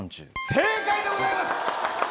正解でございます！